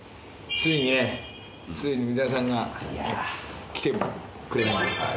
ついにねついに水谷さんが来てくれたんで。